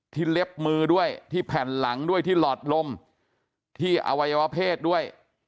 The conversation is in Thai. เล็บมือด้วยที่แผ่นหลังด้วยที่หลอดลมที่อวัยวะเพศด้วย